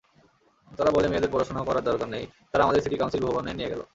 তারা বলে মেয়েদের পড়াশোনা করার দরকার নাই তারা আমাদের সিটি কাউন্সিল ভবনে নিয়ে গেল।